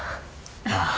ああ。